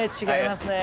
違います